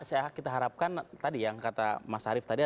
ya kita harapkan tadi yang kata mas sarip tadi adalah